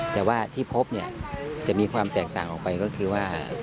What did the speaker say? แต่ว่าที่พบเนี่ยจะมีความแตกต่างออกไปก็คือว่า